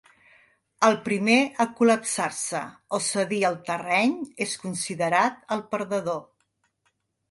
El primer a col·lapsar-se o cedir el terreny es considerat el perdedor.